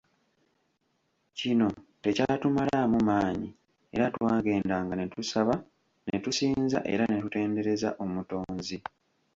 Kino tekyatumalaamu maanyi era twagendanga ne tusaba ne tusinza era ne tutendereza Omutonzi.